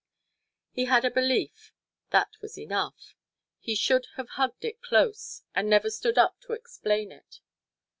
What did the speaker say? He had a belief, that was enough; he should have hugged it close, and never stood up to explain it.